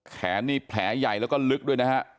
แขนนี่แผลใหญ่แล้วก็ลึกด้วยนะฮะ